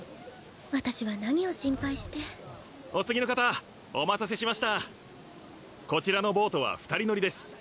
私は何を心配してお次の方お待たせしましたこちらのボートは二人乗りです